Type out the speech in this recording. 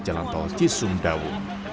jalan tol cisumdawo